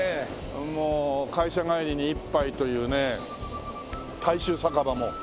もう会社帰りに１杯というね大衆酒場も多いんですけども。